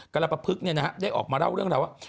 กรปภึกเนี่ยนะฮะได้ออกมาเล่าเรื่องอะไรว่า